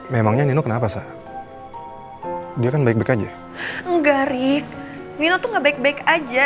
memangnya nino kenapa saja dia kan baik baik aja enggak rik mino tuh nggak baik baik aja